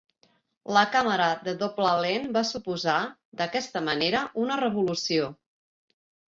La càmera de doble lent va suposar, d'aquesta manera, una revolució.